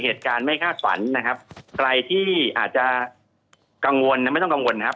เหตุการณ์ไม่คาดฝันนะครับใครที่อาจจะกังวลและไม่ต้องกังวลนะครับ